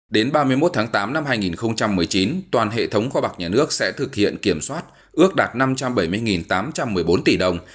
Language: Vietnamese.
đến ba mươi một tháng tám năm hai nghìn một mươi chín toàn hệ thống kho bạc nhà nước sẽ thực hiện kiểm soát ước đạt năm trăm bảy mươi tám trăm một mươi bốn tỷ đồng